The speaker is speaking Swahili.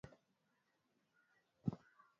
Bu semeseme buta kufikisha pa baya